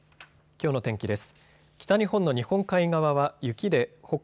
きょうの天気です。